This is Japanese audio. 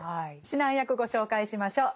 指南役ご紹介しましょう。